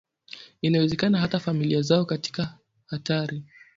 Inaziweka hata familia zao katika hatari